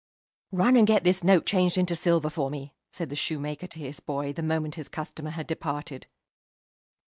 "Run and get this note changed into silver for me," said the shoemaker to his boy, the moment his customer had departed.